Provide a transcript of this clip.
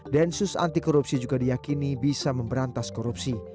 densus anti korupsi juga diyakini bisa memberantas korupsi